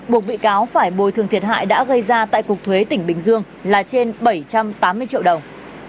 buộc bị cáo phải bồi thường thiệt hại đã gây ra tại cục thuế tỉnh bình dương là trên bảy trăm tám mươi triệu đồng